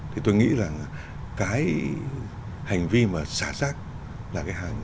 thì tôi nghĩ là cái hành vi mà xả rác là cái hàng